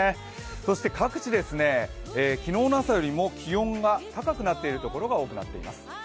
そして各地、昨日の朝よりも気温が高くなっている所が多くなっています。